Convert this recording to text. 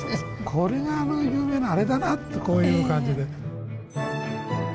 「これがあの有名なあれだな！」とこういう感じで。